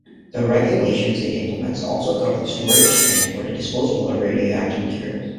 The regulations it implements also cover the storage, transport and disposal of radioactive materials.